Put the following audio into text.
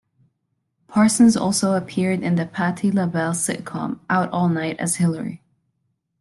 Parsons also appeared in the Patti LaBelle sitcom, "Out All Night" as Hilary.